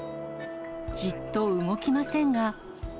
じっと動きませんが。